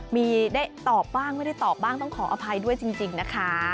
มีได้ตอบบ้างไม่ได้ตอบบ้างต้องขออภัยด้วยจริงนะคะ